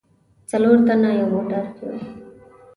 څلور تنه یو موټر کې و.